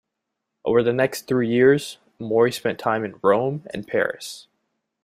Over the next three years, Mori spent time in Rome and Paris.